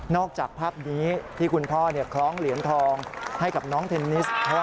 จากภาพนี้ที่คุณพ่อคล้องเหรียญทองให้กับน้องเทนนิส